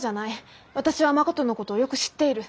私は誠のことをよく知っている。